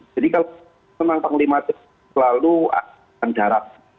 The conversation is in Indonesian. jadi kalau memang panglima tentara nasional selalu akan darat